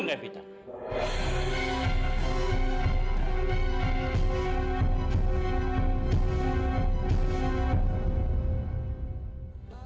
tapi saya tidak tahu siapa dia